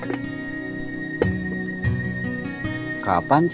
sampai jumpa di video selanjutnya